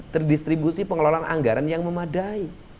terdistribusi pengelolaan anggaran yang memadai